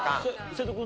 瀬戸君。